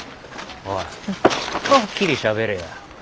おいはっきりしゃべれよ。